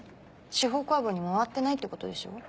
司法解剖に回ってないってことでしょ？